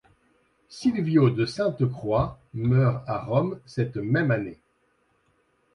Silvio de Sainte-Croix meurt à Rome cette même année.